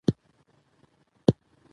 هغه د کورني ژوند سادګي خوښوي.